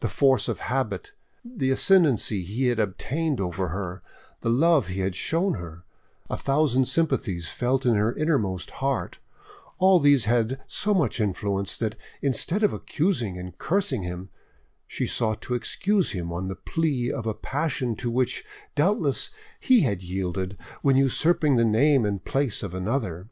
The force of habit, the ascendancy he had obtained over her, the love he had shown her, a thousand sympathies felt in her inmost heart, all these had so much influence, that, instead of accusing and cursing him, she sought to excuse him on the plea of a passion to which, doubtless, he had yielded when usurping the name and place of another.